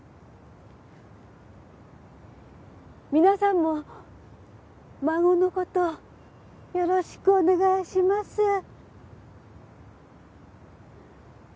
皆さんも孫の事をよろしくお願いします。